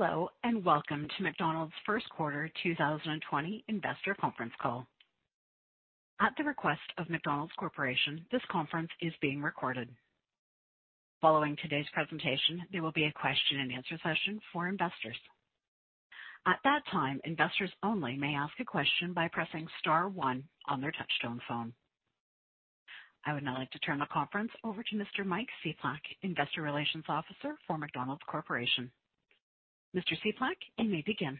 Hello, welcome to McDonald's first quarter 2020 Investor Conference Call. At the request of McDonald's Corporation, this conference is being recorded. Following today's presentation, there will be a question-and-answer session for investors. At that time, investors only may ask a question by pressing star one on their touchtone phone. I would now like to turn the conference over to Mr. Mike Cieplak, Investor Relations Officer for McDonald's Corporation. Mr. Cieplak, you may begin.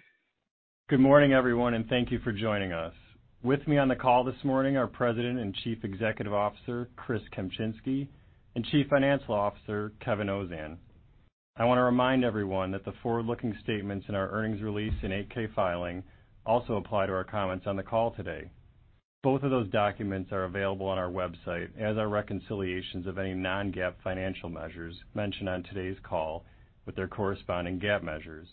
Good morning, everyone, and thank you for joining us. With me on the call this morning are President and Chief Executive Officer, Chris Kempczinski, and Chief Financial Officer, Kevin Ozan. I want to remind everyone that the forward-looking statements in our earnings release and 8-K filing also apply to our comments on the call today. Both of those documents are available on our website as are reconciliations of any non-GAAP financial measures mentioned on today's call with their corresponding GAAP measures.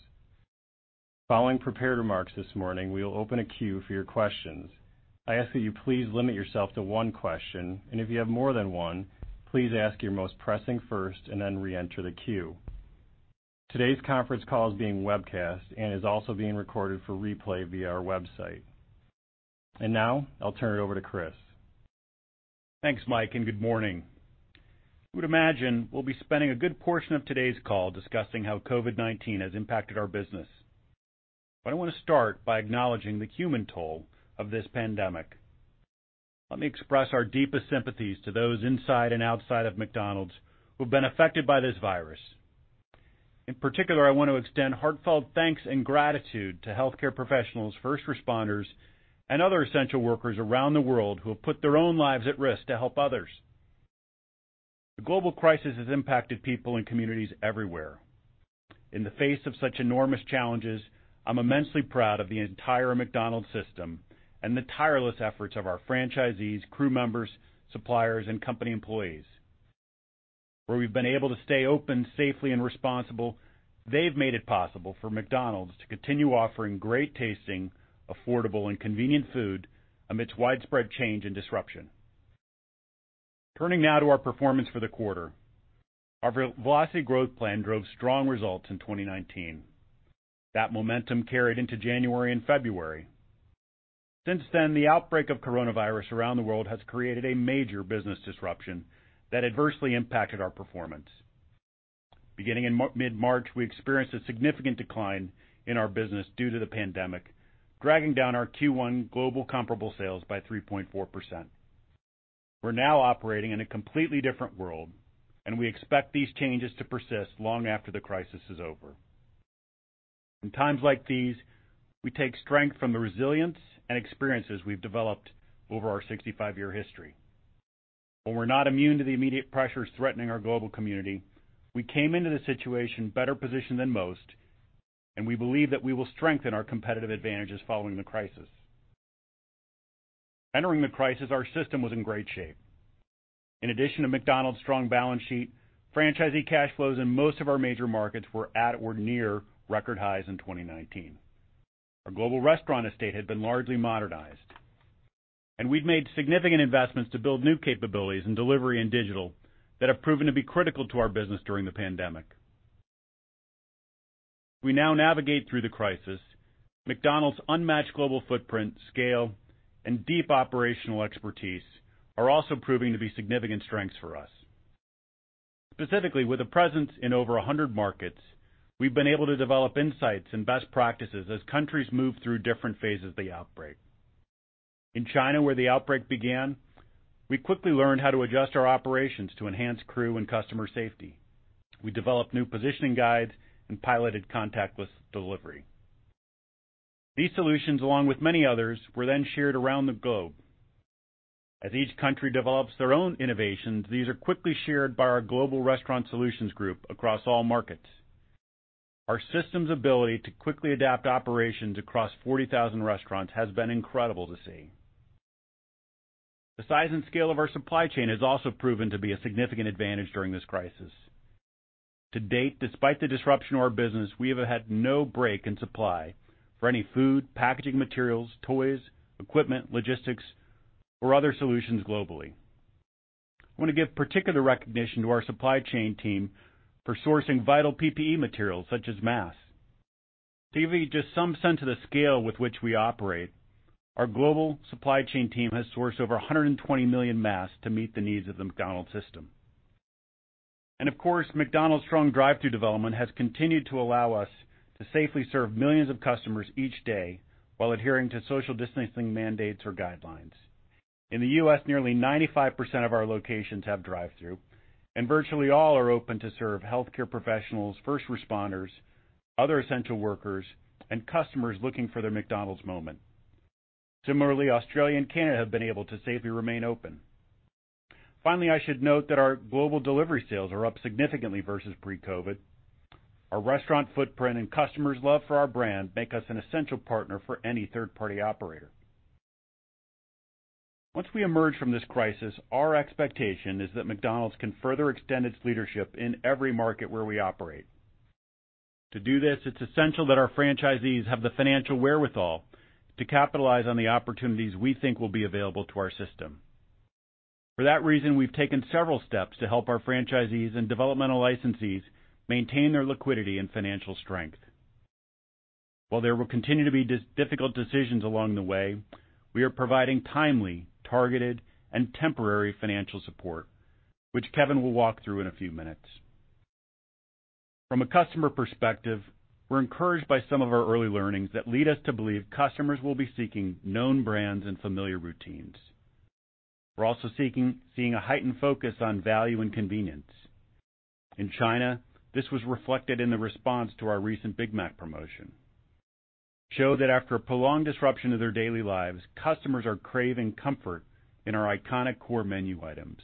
Following prepared remarks this morning, we will open a queue for your questions. I ask that you please limit yourself to one question, and if you have more than one, please ask your most pressing first and then reenter the queue. Today's conference call is being webcast and is also being recorded for replay via our website. Now I'll turn it over to Chris. Thanks, Mike, and good morning. You would imagine we'll be spending a good portion of today's call discussing how COVID-19 has impacted our business. I want to start by acknowledging the human toll of this pandemic. Let me express our deepest sympathies to those inside and outside of McDonald's who've been affected by this virus. In particular, I want to extend heartfelt thanks and gratitude to healthcare professionals, first responders, and other essential workers around the world who have put their own lives at risk to help others. The global crisis has impacted people and communities everywhere. In the face of such enormous challenges, I'm immensely proud of the entire McDonald's system and the tireless efforts of our franchisees, crew members, suppliers, and company employees. Where we've been able to stay open safely and responsible, they've made it possible for McDonald's to continue offering great tasting, affordable, and convenient food amidst widespread change and disruption. Turning now to our performance for the quarter. Our Velocity Growth Plan drove strong results in 2019. That momentum carried into January and February. Since then, the outbreak of coronavirus around the world has created a major business disruption that adversely impacted our performance. Beginning in mid-March, we experienced a significant decline in our business due to the pandemic, dragging down our Q1 global comparable sales by 3.4%. We're now operating in a completely different world, and we expect these changes to persist long after the crisis is over. In times like these, we take strength from the resilience and experiences we've developed over our 65-year history. While we're not immune to the immediate pressures threatening our global community, we came into the situation better positioned than most, and we believe that we will strengthen our competitive advantages following the crisis. Entering the crisis, our system was in great shape. In addition to McDonald's strong balance sheet, franchisee cash flows in most of our major markets were at or near record highs in 2019. Our global restaurant estate had been largely modernized. We'd made significant investments to build new capabilities in delivery and digital that have proven to be critical to our business during the pandemic. We now navigate through the crisis. McDonald's unmatched global footprint, scale, and deep operational expertise are also proving to be significant strengths for us. Specifically, with a presence in over 100 markets, we've been able to develop insights and best practices as countries move through different phases of the outbreak. In China, where the outbreak began, we quickly learned how to adjust our operations to enhance crew and customer safety. We developed new positioning guides and piloted contactless delivery. These solutions, along with many others, were shared around the globe. As each country develops their own innovations, these are quickly shared by our Global Restaurant Solutions group across all markets. Our system's ability to quickly adapt operations across 40,000 restaurants has been incredible to see. The size and scale of our supply chain has also proven to be a significant advantage during this crisis. To date, despite the disruption to our business, we have had no break in supply for any food, packaging materials, toys, equipment, logistics, or other solutions globally. I want to give particular recognition to our supply chain team for sourcing vital PPE materials such as masks. To give you just some sense of the scale with which we operate, our global supply chain team has sourced over 120 million masks to meet the needs of the McDonald's system. Of course, McDonald's strong drive-thru development has continued to allow us to safely serve millions of customers each day while adhering to social distancing mandates or guidelines. In the U.S., nearly 95% of our locations have drive-thru, and virtually all are open to serve healthcare professionals, first responders, other essential workers, and customers looking for their McDonald's moment. Similarly, Australia and Canada have been able to safely remain open. Finally, I should note that our global delivery sales are up significantly versus pre-COVID. Our restaurant footprint and customers' love for our brand make us an essential partner for any third-party operator. Once we emerge from this crisis, our expectation is that McDonald's can further extend its leadership in every market where we operate. To do this, it's essential that our franchisees have the financial wherewithal to capitalize on the opportunities we think will be available to our system. For that reason, we've taken several steps to help our franchisees and developmental licensees maintain their liquidity and financial strength. While there will continue to be difficult decisions along the way, we are providing timely, targeted, and temporary financial support, which Kevin will walk through in a few minutes. From a customer perspective, we're encouraged by some of our early learnings that lead us to believe customers will be seeking known brands and familiar routines. We're also seeing a heightened focus on value and convenience. In China, this was reflected in the response to our recent Big Mac promotion. Show that after a prolonged disruption to their daily lives, customers are craving comfort in our iconic core menu items.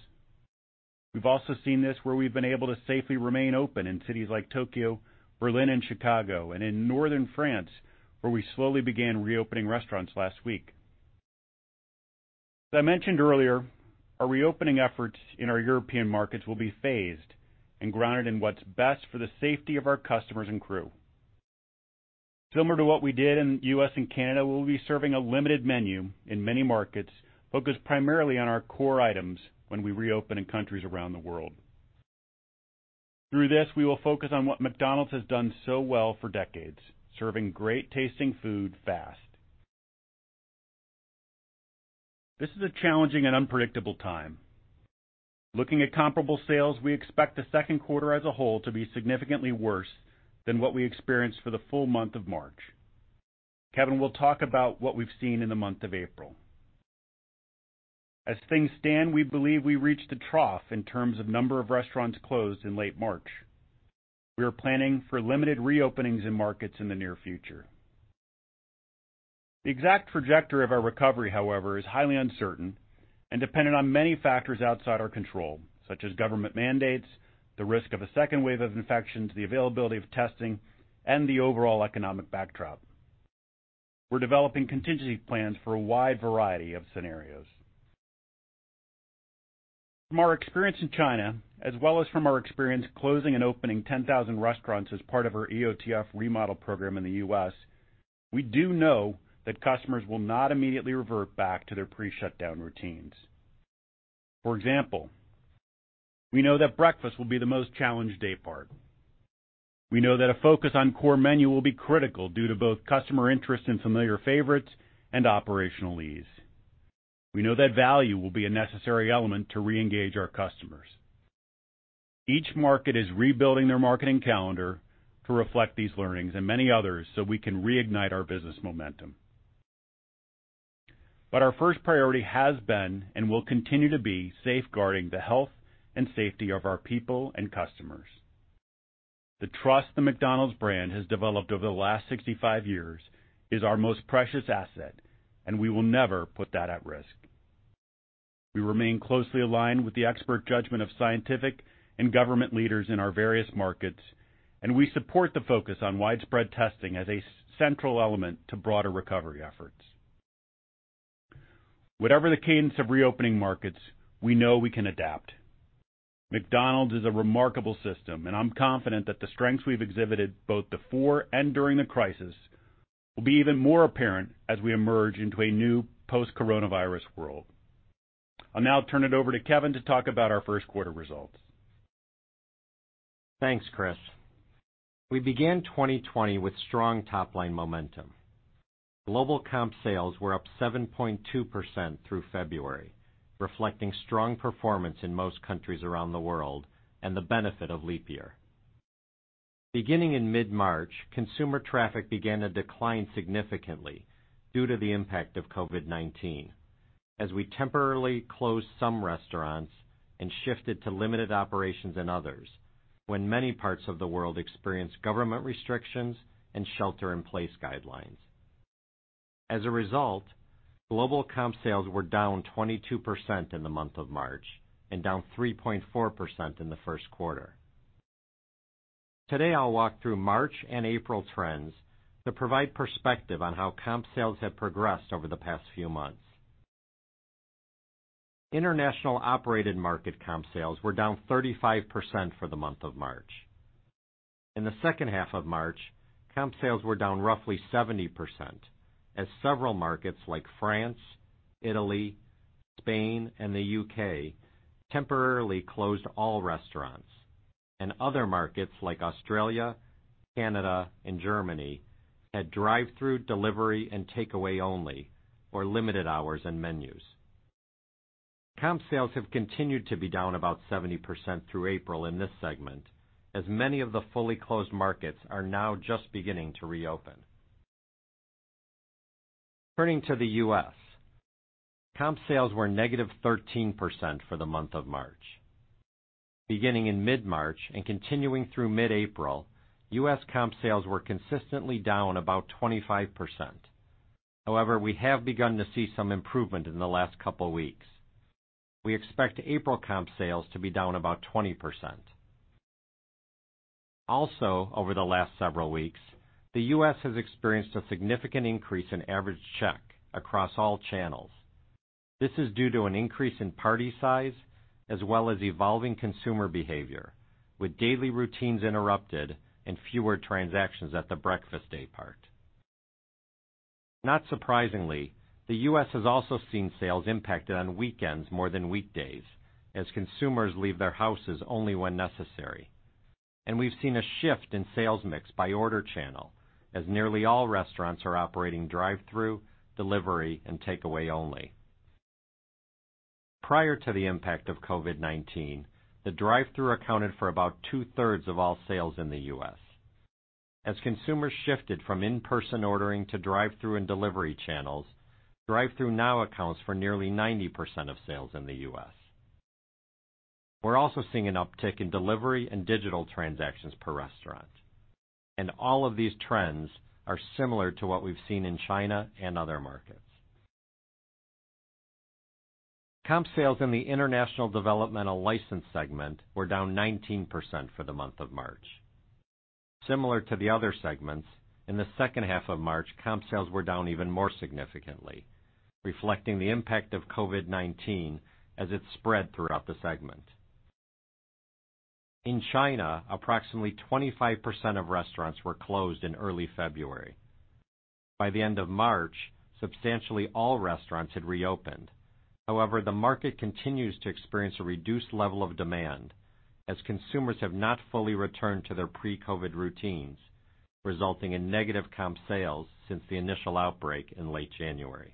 We've also seen this where we've been able to safely remain open in cities like Tokyo, Berlin, and Chicago, and in Northern France, where we slowly began reopening restaurants last week. As I mentioned earlier, our reopening efforts in our European markets will be phased and grounded in what's best for the safety of our customers and crew. Similar to what we did in the U.S. and Canada, we will be serving a limited menu in many markets focused primarily on our core items when we reopen in countries around the world. Through this, we will focus on what McDonald's has done so well for decades: serving great-tasting food fast. This is a challenging and unpredictable time. Looking at comparable sales, we expect the second quarter as a whole to be significantly worse than what we experienced for the full month of March. Kevin will talk about what we've seen in the month of April. As things stand, we believe we reached a trough in terms of number of restaurants closed in late March. We are planning for limited reopenings in markets in the near future. The exact trajectory of our recovery, however, is highly uncertain and dependent on many factors outside our control, such as government mandates, the risk of a second wave of infections, the availability of testing, and the overall economic backdrop. We're developing contingency plans for a wide variety of scenarios. From our experience in China, as well as from our experience closing and opening 10,000 restaurants as part of our EOTF remodel program in the U.S., we do know that customers will not immediately revert back to their pre-shutdown routines. For example, we know that breakfast will be the most challenged day part. We know that a focus on core menu will be critical due to both customer interest in familiar favorites and operational ease. We know that value will be a necessary element to reengage our customers. Each market is rebuilding their marketing calendar to reflect these learnings and many others so we can reignite our business momentum. Our first priority has been and will continue to be safeguarding the health and safety of our people and customers. The trust the McDonald's brand has developed over the last 65 years is our most precious asset, and we will never put that at risk. We remain closely aligned with the expert judgment of scientific and government leaders in our various markets, and we support the focus on widespread testing as a central element to broader recovery efforts. Whatever the cadence of reopening markets, we know we can adapt. McDonald's is a remarkable system, and I'm confident that the strengths we've exhibited both before and during the crisis will be even more apparent as we emerge into a new post-coronavirus world. I'll now turn it over to Kevin to talk about our first quarter results. Thanks, Chris. We began 2020 with strong top-line momentum. Global comp sales were up 7.2% through February, reflecting strong performance in most countries around the world and the benefit of leap year. Beginning in mid-March, consumer traffic began to decline significantly due to the impact of COVID-19. As we temporarily closed some restaurants and shifted to limited operations in others, when many parts of the world experienced government restrictions and shelter-in-place guidelines. As a result, global comp sales were down 22% in the month of March and down 3.4% in the first quarter. Today, I'll walk through March and April trends to provide perspective on how comp sales have progressed over the past few months. International Operated Market comp sales were down 35% for the month of March. In the second half of March, comp sales were down roughly 70% as several markets like France, Italy, Spain, and the U.K. temporarily closed all restaurants, and other markets like Australia, Canada, and Germany had drive-through, delivery, and takeaway only, or limited hours and menus. Comp sales have continued to be down about 70% through April in this segment, as many of the fully closed markets are now just beginning to reopen. Turning to the U.S., comp sales were negative 13% for the month of March. Beginning in mid-March and continuing through mid-April, U.S. comp sales were consistently down about 25%. However, we have begun to see some improvement in the last couple of weeks. We expect April comp sales to be down about 20%. Over the last several weeks, the U.S. has experienced a significant increase in average check across all channels. This is due to an increase in party size as well as evolving consumer behavior, with daily routines interrupted and fewer transactions at the breakfast day part. Not surprisingly, the U.S. has also seen sales impacted on weekends more than weekdays as consumers leave their houses only when necessary. We've seen a shift in sales mix by order channel, as nearly all restaurants are operating drive-through, delivery, and takeaway only. Prior to the impact of COVID-19, the drive-through accounted for about two-thirds of all sales in the U.S. As consumers shifted from in-person ordering to drive-through and delivery channels, drive-through now accounts for nearly 90% of sales in the U.S. We're also seeing an uptick in delivery and digital transactions per restaurant, and all of these trends are similar to what we've seen in China and other markets. Comp sales in the International Developmental License Segment were down 19% for the month of March. Similar to the other segments, in the second half of March, comp sales were down even more significantly, reflecting the impact of COVID-19 as it spread throughout the segment. In China, approximately 25% of restaurants were closed in early February. By the end of March, substantially all restaurants had reopened. The market continues to experience a reduced level of demand as consumers have not fully returned to their pre-COVID routines, resulting in negative comp sales since the initial outbreak in late January.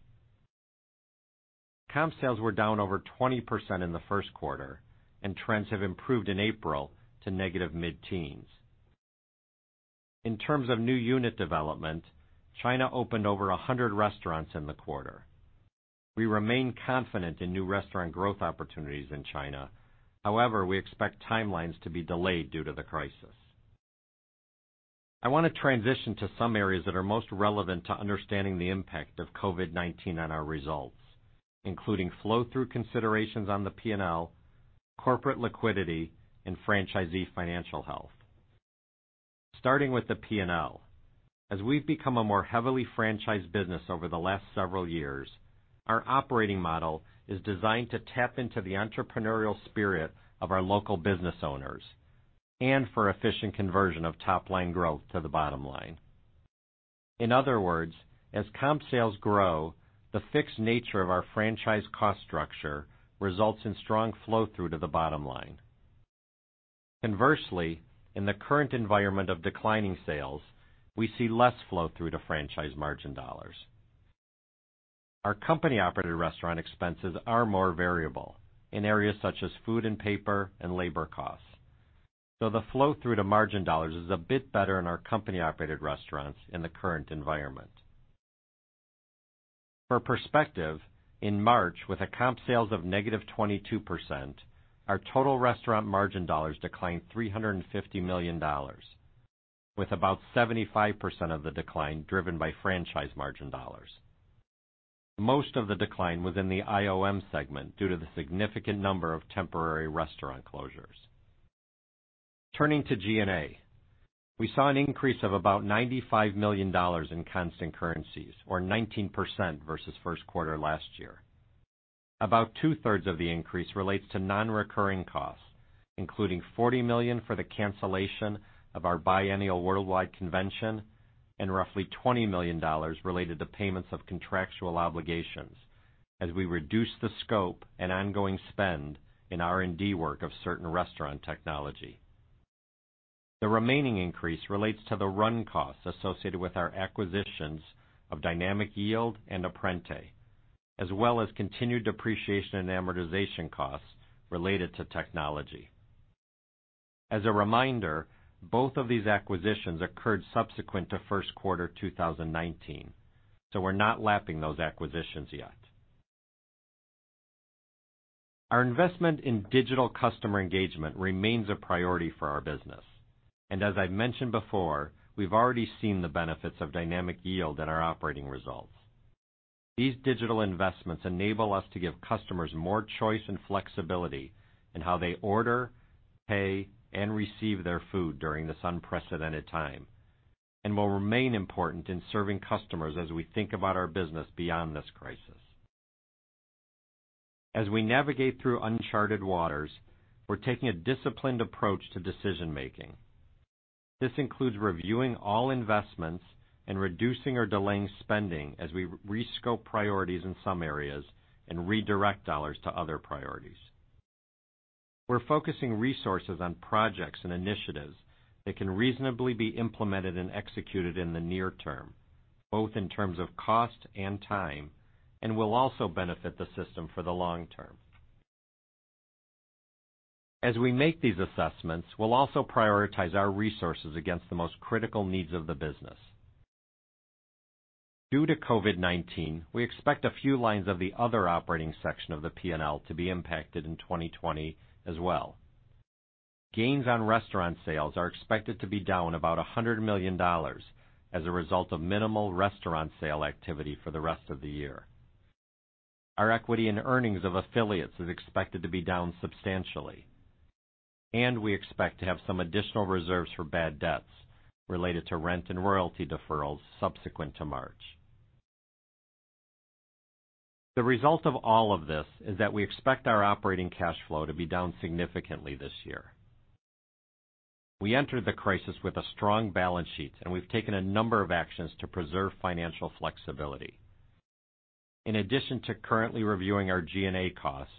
Comp sales were down over 20% in the first quarter, and trends have improved in April to negative mid-teens. In terms of new unit development, China opened over 100 restaurants in the quarter. We remain confident in new restaurant growth opportunities in China. However, we expect timelines to be delayed due to the crisis. I want to transition to some areas that are most relevant to understanding the impact of COVID-19 on our results, including flow-through considerations on the P&L, corporate liquidity, and franchisee financial health. Starting with the P&L, as we've become a more heavily franchised business over the last several years, our operating model is designed to tap into the entrepreneurial spirit of our local business owners and for efficient conversion of top-line growth to the bottom line. In other words, as comp sales grow, the fixed nature of our franchise cost structure results in strong flow-through to the bottom line. Conversely, in the current environment of declining sales, we see less flow-through to franchise margin dollars. Our company-operated restaurant expenses are more variable in areas such as food and paper and labor costs. The flow-through to margin dollars is a bit better in our company-operated restaurants in the current environment. For perspective, in March, with a comp sales of negative 22%, our total restaurant margin dollars declined $350 million, with about 75% of the decline driven by franchise margin dollars. Most of the decline was in the IOM segment due to the significant number of temporary restaurant closures. Turning to G&A, we saw an increase of about $95 million in constant currencies, or 19% versus first quarter last year. About two-thirds of the increase relates to non-recurring costs, including $40 million for the cancellation of our biennial worldwide convention and roughly $20 million related to payments of contractual obligations as we reduce the scope and ongoing spend in R&D work of certain restaurant technology. The remaining increase relates to the run costs associated with our acquisitions of Dynamic Yield and Apprente, as well as continued depreciation and amortization costs related to technology. As a reminder, both of these acquisitions occurred subsequent to first quarter 2019, so we're not lapping those acquisitions yet. Our investment in digital customer engagement remains a priority for our business. As I've mentioned before, we've already seen the benefits of Dynamic Yield in our operating results. These digital investments enable us to give customers more choice and flexibility in how they order, pay, and receive their food during this unprecedented time and will remain important in serving customers as we think about our business beyond this crisis. As we navigate through uncharted waters, we're taking a disciplined approach to decision-making. This includes reviewing all investments and reducing or delaying spending as we rescope priorities in some areas and redirect dollars to other priorities. We're focusing resources on projects and initiatives that can reasonably be implemented and executed in the near-term, both in terms of cost and time, and will also benefit the system for the long-term. As we make these assessments, we'll also prioritize our resources against the most critical needs of the business. Due to COVID-19, we expect a few lines of the other operating section of the P&L to be impacted in 2020 as well. Gains on restaurant sales are expected to be down about $100 million as a result of minimal restaurant sale activity for the rest of the year. Our equity and earnings of affiliates is expected to be down substantially. We expect to have some additional reserves for bad debts related to rent and royalty deferrals subsequent to March. The result of all of this is that we expect our operating cash flow to be down significantly this year. We entered the crisis with a strong balance sheet, and we've taken a number of actions to preserve financial flexibility. In addition to currently reviewing our G&A costs,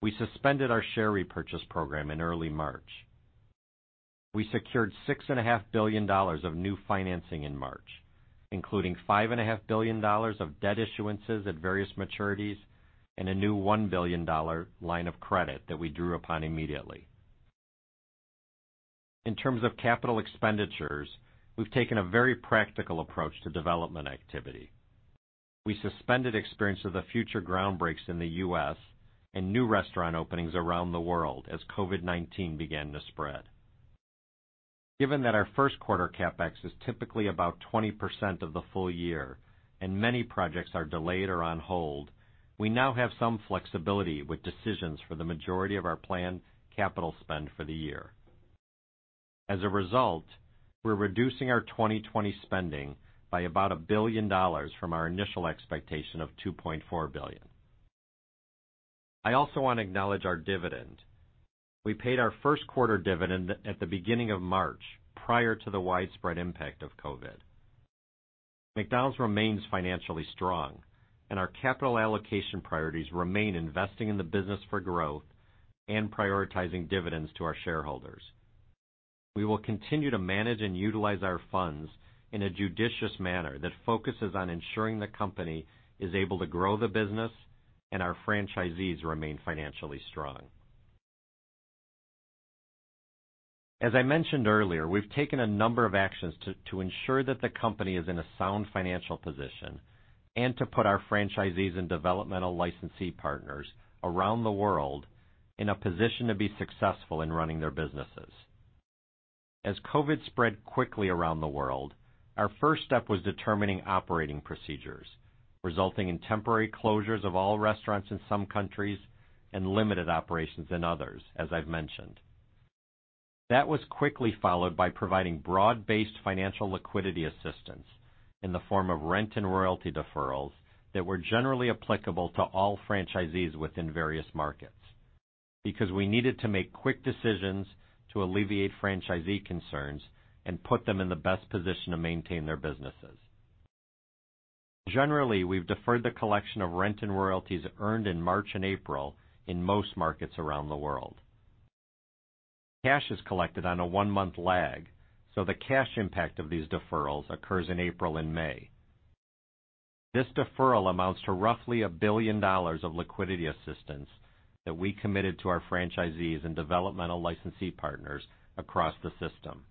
we suspended our share repurchase program in early March. We secured $6.5 billion of new financing in March, including $5.5 billion of debt issuances at various maturities and a new $1 billion line of credit that we drew upon immediately. In terms of capital expenditures, we've taken a very practical approach to development activity. We suspended Experience of the Future ground breaks in the U.S. and new restaurant openings around the world as COVID-19 began to spread. Given that our first quarter CapEx is typically about 20% of the full year and many projects are delayed or on hold, we now have some flexibility with decisions for the majority of our planned capital spend for the year. As a result, we're reducing our 2020 spending by about $1 billion from our initial expectation of $2.4 billion. I also want to acknowledge our dividend. We paid our first quarter dividend at the beginning of March, prior to the widespread impact of COVID. McDonald's remains financially strong, and our capital allocation priorities remain investing in the business for growth and prioritizing dividends to our shareholders. We will continue to manage and utilize our funds in a judicious manner that focuses on ensuring the company is able to grow the business and our franchisees remain financially strong. As I mentioned earlier, we've taken a number of actions to ensure that the company is in a sound financial position and to put our franchisees and developmental licensee partners around the world in a position to be successful in running their businesses. As COVID-19 spread quickly around the world, our first step was determining operating procedures, resulting in temporary closures of all restaurants in some countries and limited operations in others, as I've mentioned. That was quickly followed by providing broad-based financial liquidity assistance in the form of rent and royalty deferrals that were generally applicable to all franchisees within various markets, because we needed to make quick decisions to alleviate franchisee concerns and put them in the best position to maintain their businesses. Generally, we've deferred the collection of rent and royalties earned in March and April in most markets around the world. Cash is collected on a one-month lag, so the cash impact of these deferrals occurs in April and May. This deferral amounts to roughly $1 billion of liquidity assistance that we committed to our franchisees and developmental licensee partners across the system.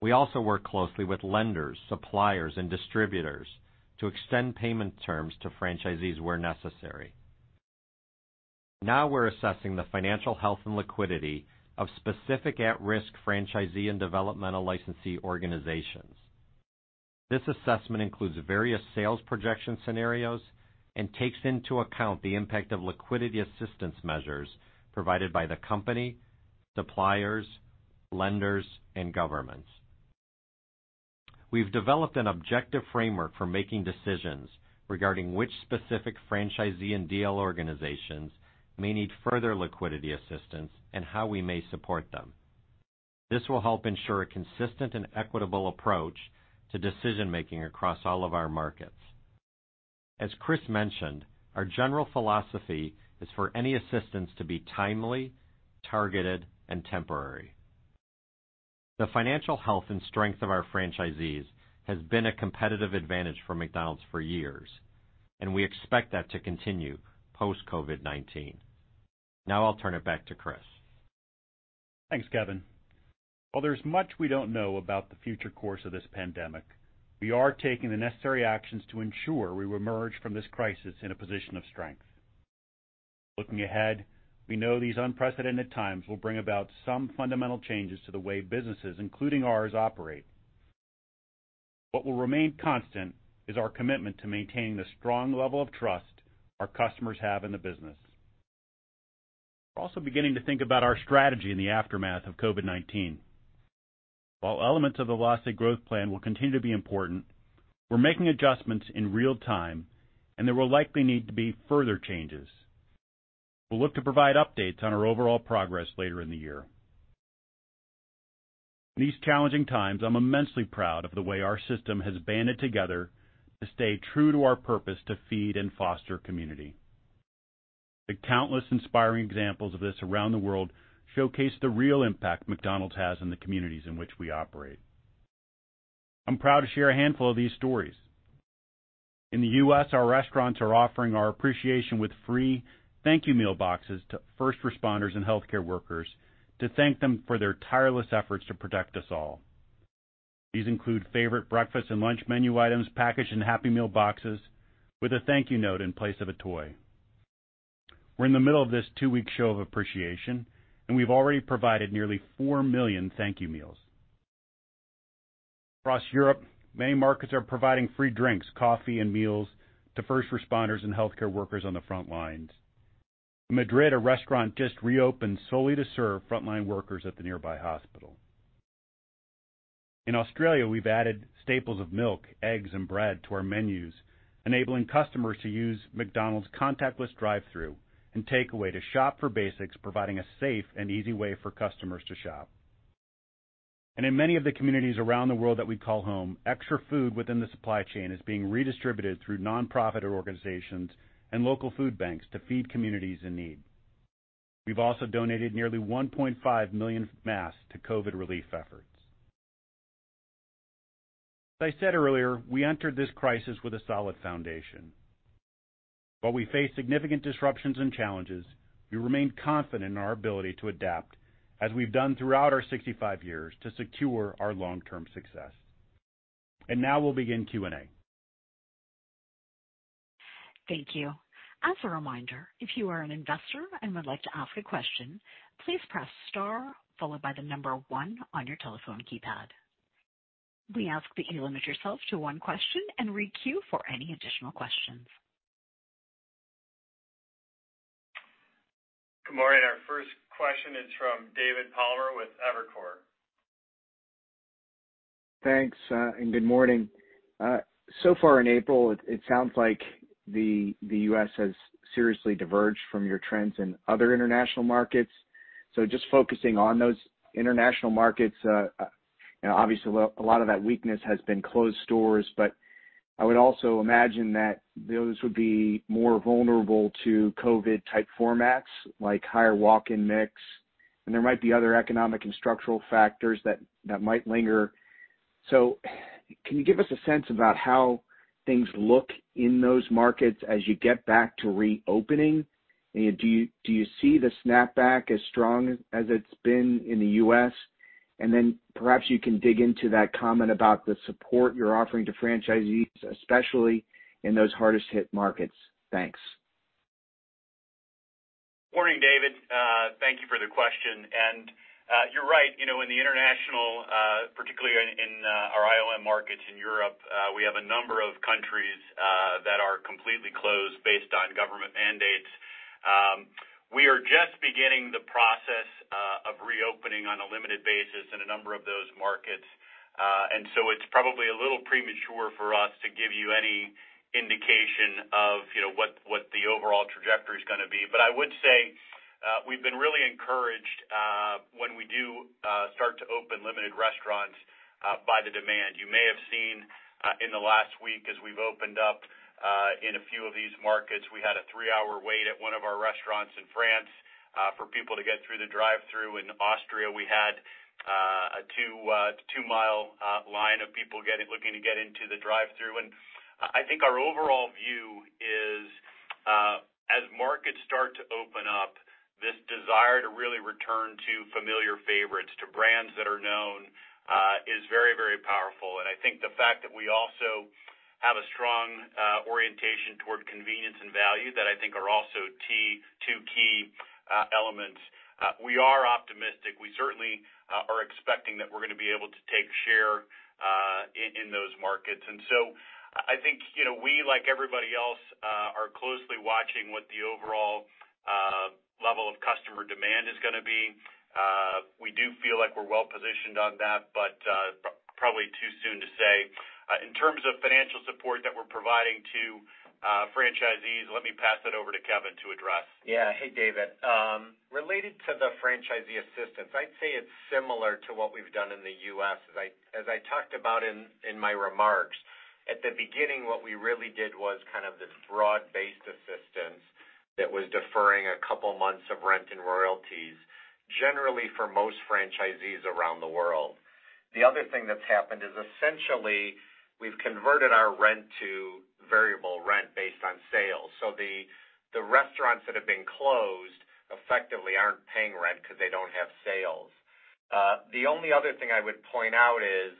We also work closely with lenders, suppliers, and distributors to extend payment terms to franchisees where necessary. Now we're assessing the financial health and liquidity of specific at-risk franchisee and developmental licensee organizations. This assessment includes various sales projection scenarios and takes into account the impact of liquidity assistance measures provided by the company, suppliers, lenders, and governments. We've developed an objective framework for making decisions regarding which specific franchisee and DL organizations may need further liquidity assistance and how we may support them. This will help ensure a consistent and equitable approach to decision-making across all of our markets. As Chris mentioned, our general philosophy is for any assistance to be timely, targeted, and temporary. The financial health and strength of our franchisees has been a competitive advantage for McDonald's for years, and we expect that to continue post-COVID-19. Now I'll turn it back to Chris. Thanks, Kevin. While there's much we don't know about the future course of this pandemic, we are taking the necessary actions to ensure we will emerge from this crisis in a position of strength. Looking ahead, we know these unprecedented times will bring about some fundamental changes to the way businesses, including ours, operate. What will remain constant is our commitment to maintaining the strong level of trust our customers have in the business. We're also beginning to think about our strategy in the aftermath of COVID-19. While elements of the Velocity Growth Plan will continue to be important, we're making adjustments in real time, and there will likely need to be further changes. We'll look to provide updates on our overall progress later in the year. In these challenging times, I'm immensely proud of the way our system has banded together to stay true to our purpose to feed and foster community. The countless inspiring examples of this around the world showcase the real impact McDonald's has in the communities in which we operate. I'm proud to share a handful of these stories. In the U.S., our restaurants are offering our appreciation with free Thank You Meal Boxes to first responders and healthcare workers to thank them for their tireless efforts to protect us all. These include favorite breakfast and lunch menu items packaged in Happy Meal boxes with a thank you note in place of a toy. We're in the middle of this two-week show of appreciation. We've already provided nearly 4 million Thank You Meals. Across Europe, many markets are providing free drinks, coffee, and meals to first responders and healthcare workers on the front lines. In Madrid, a restaurant just reopened solely to serve frontline workers at the nearby hospital. In Australia, we've added staples of milk, eggs, and bread to our menus, enabling customers to use McDonald's contactless drive-through and takeaway to shop for basics, providing a safe and easy way for customers to shop. In many of the communities around the world that we call home, extra food within the supply chain is being redistributed through nonprofit organizations and local food banks to feed communities in need. We've also donated nearly 1.5 million masks to COVID relief efforts. As I said earlier, we entered this crisis with a solid foundation. While we face significant disruptions and challenges, we remain confident in our ability to adapt as we've done throughout our 65 years to secure our long-term success. Now we'll begin Q&A. Thank you. As a reminder, if you are an investor and would like to ask a question, please press star followed by the number one on your telephone keypad. We ask that you limit yourself to one question and re-queue for any additional questions. Good morning. Our first question is from David Palmer with Evercore. Thanks. Good morning. Far in April, it sounds like the U.S. has seriously diverged from your trends in other international markets. Just focusing on those international markets, obviously a lot of that weakness has been closed stores, but I would also imagine that those would be more vulnerable to COVID-19 type formats, like higher walk-in mix, and there might be other economic and structural factors that might linger. Can you give us a sense about how things look in those markets as you get back to reopening? Do you see the snapback as strong as it's been in the U.S.? Perhaps you can dig into that comment about the support you're offering to franchisees, especially in those hardest hit markets. Thanks. Morning, David. Thank you for the question. You're right. In the international, particularly in our IOM markets in Europe, we have a number of countries that are completely closed based on government mandates. We are just beginning the process of reopening on a limited basis in a number of those markets. It's probably a little premature for us to give you any indication of what the overall trajectory is going to be. I would say we've been really encouraged when we do start to open limited restaurants by the demand. You may have seen in the last week as we've opened up in a few of these markets, we had a three-hour wait at one of our restaurants in France for people to get through the drive-thru. In Austria, we had a two-mile line of people looking to get into the drive-thru. I think our overall view is as markets start to open up, this desire to really return to familiar favorites, to brands that are known is very powerful. I think the fact that we also have a strong orientation toward convenience and value that I think are also two key elements. We are optimistic. We certainly are expecting that we're going to be able to take share in those markets. I think, we like everybody else, are closely watching what the overall level of customer demand is going to be. We do feel like we're well positioned on that, probably too soon to say. In terms of financial support that we're providing to franchisees, let me pass it over to Kevin to address. Hey, David. Related to the franchisee assistance, I'd say it's similar to what we've done in the U.S. As I talked about in my remarks, at the beginning, what we really did was this broad-based assistance that was deferring a couple months of rent and royalties, generally for most franchisees around the world. The other thing that's happened is essentially we've converted our rent to variable rent based on sales. The restaurants that have been closed effectively aren't paying rent because they don't have sales. The only other thing I would point out is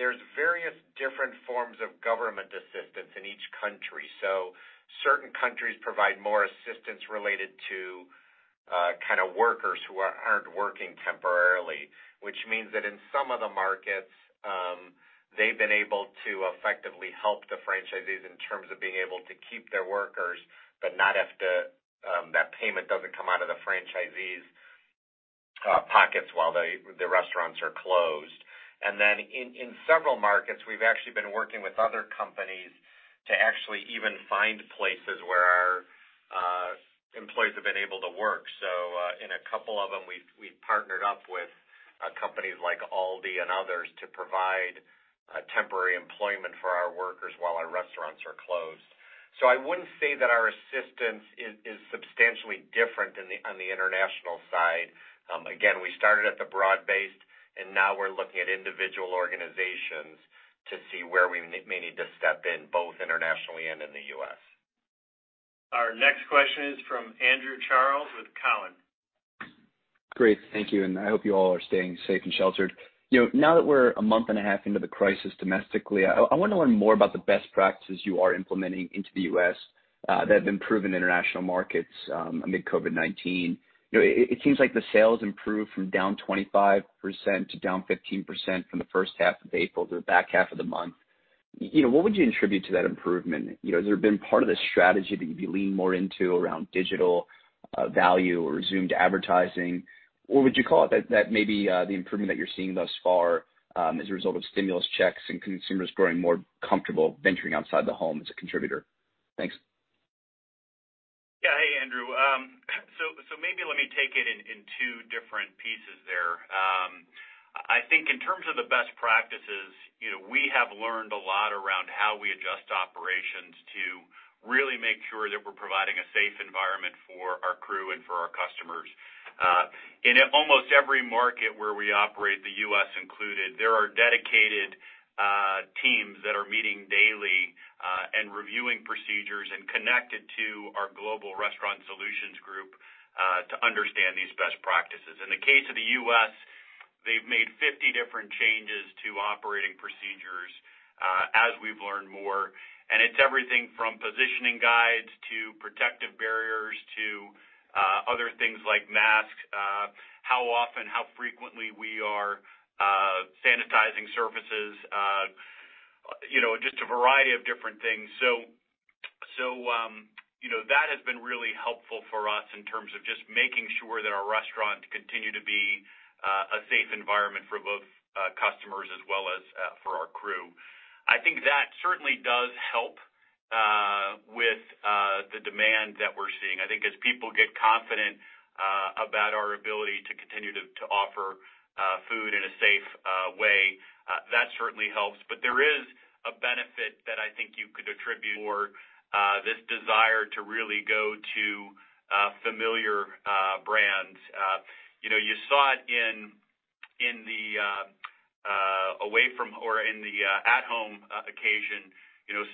there's various different forms of government assistance in each country. Certain countries provide more assistance related to workers who aren't working temporarily, which means that in some of the markets, they've been able to effectively help the franchisees in terms of being able to keep their workers, but that payment doesn't come out of the franchisees' pockets while the restaurants are closed. In several markets, we've actually been working with other companies to actually even find places where our employees have been able to work. In a couple of them, we've partnered up with companies like Aldi and others to provide temporary employment for our workers while our restaurants are closed. I wouldn't say that our assistance is substantially different on the international side. Again, we started at the broad-based, and now we're looking at individual organizations to see where we may need to step in, both internationally and in the U.S. Our next question is from Andrew Charles with Cowen. Great. Thank you. I hope you all are staying safe and sheltered. Now that we're a month and a half into the crisis domestically, I want to learn more about the best practices you are implementing into the U.S. that have been proven in international markets amid COVID-19. It seems like the sales improved from down 25% to down 15% from the first half of April to the back half of the month. What would you attribute to that improvement? Has there been part of the strategy that you lean more into around digital value or resumed advertising? Would you call it that maybe the improvement that you're seeing thus far is a result of stimulus checks and consumers growing more comfortable venturing outside the home as a contributor? Thanks. Hey, Andrew. Maybe let me take it in two different pieces there. I think in terms of the best practices, we have learned a lot around how we adjust operations to really make sure that we're providing a safe environment for our crew and for our customers. In almost every market where we operate, the U.S. included, there are dedicated teams that are meeting daily and reviewing procedures and connected to our Global Restaurant Solutions group to understand these best practices. In the case of the U.S., they've made 50 different changes to operating procedures as we've learned more, and it's everything from positioning guides to protective barriers to other things like masks, how often, how frequently we are sanitizing surfaces. Just a variety of different things. That has been really helpful for us in terms of just making sure that our restaurants continue to be a safe environment for both customers as well as for our crew. I think that certainly does help with the demand that we're seeing. I think as people get confident about our ability to continue to offer food in a safe way, that certainly helps. There is a benefit that I think you could attribute for this desire to really go to familiar brands. You saw it in the away from or in the at-home occasion.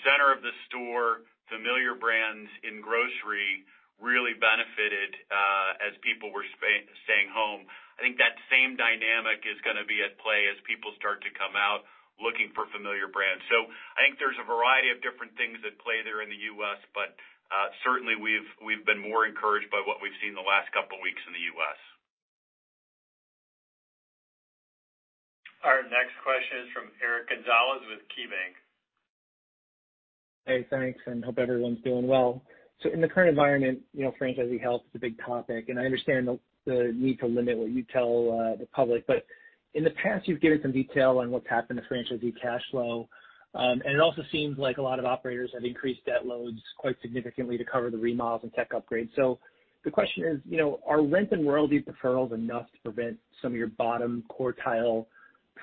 Center of the store, familiar brands in grocery really benefited as people were staying home. I think that same dynamic is going to be at play as people start to come out looking for familiar brands. I think there's a variety of different things at play there in the U.S., but certainly we've been more encouraged by what we've seen in the last couple of weeks in the U.S. Our next question is from Eric Gonzalez with KeyBanc. Hey, thanks, and hope everyone's doing well. In the current environment, franchisee health is a big topic, and I understand the need to limit what you tell the public, but in the past, you've given some detail on what's happened to franchisee cash flow. It also seems like a lot of operators have increased debt loads quite significantly to cover the remodels and tech upgrades. The question is, are rent and royalty deferrals enough to prevent some of your bottom quartile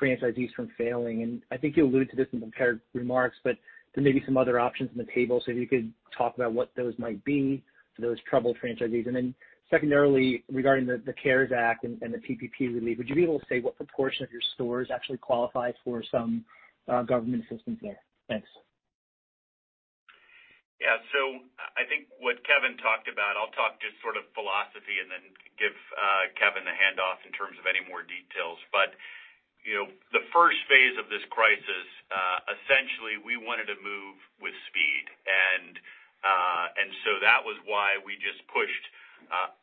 franchisees from failing? I think you allude to this in prepared remarks, but there may be some other options on the table. If you could talk about what those might be for those troubled franchisees. Secondarily, regarding the CARES Act and the PPP relief, would you be able to say what proportion of your stores actually qualify for some government assistance there? Thanks. Yeah. I think what Kevin talked about, I'll talk just sort of philosophy and then give Kevin the handoff in terms of any more details. The first phase of this crisis, essentially, we wanted to move with speed. That was why we just pushed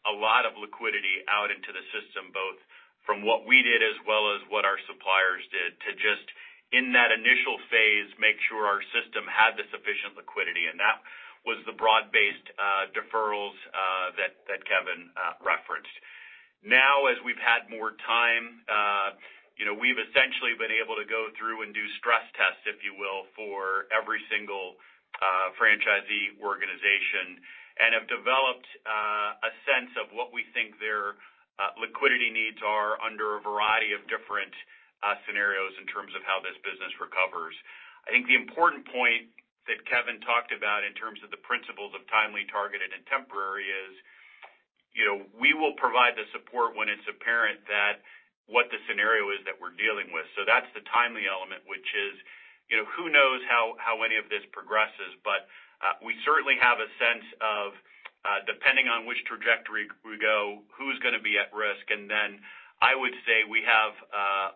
a lot of liquidity out into the system, both from what we did as well as what our suppliers did, to just in that initial phase, make sure our system had the sufficient liquidity, and that was the broad-based deferrals that Kevin referenced. Now as we've had more time, we've essentially been able to go through and do stress tests, if you will, for every single franchisee organization and have developed a sense of what we think their liquidity needs are under a variety of different scenarios in terms of how this business recovers. I think the important point that Kevin talked about in terms of the principles of timely, targeted, and temporary is, we will provide the support when it's apparent that what the scenario is that we're dealing with. That's the timely element, which is, who knows how any of this progresses. We certainly have a sense of, depending on which trajectory we go, who's going to be at risk, and then I would say we have